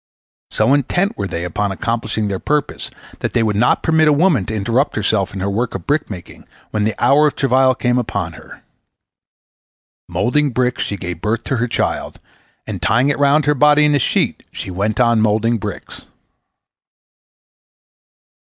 So intent were they upon accomplishing their purpose that they would not permit a woman to interrupt herself in her work of brick making when the hour of travail came upon her. Moulding bricks she gave birth to her child, and, tying it round her body in a sheet, she went on moulding bricks.